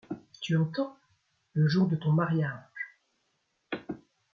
Tu entends ? le jour de ton mariage.